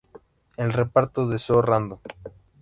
El reparto de So Random!